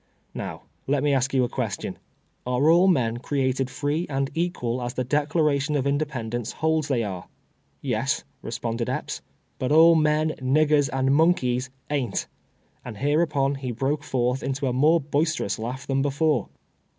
Kow let me ask you a question. Are all men created free and equal as the Declaration of Independence holds they are ?"" Yes," responded Ejips, " but all men, niggers, and monkeys am^t;^^ and hereupon he broke forth into a more boisterous laugh than before.